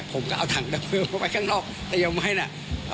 ผมก็เอาถังดำเนินเข้าไปข้างนอกแต่ยังไหมนะ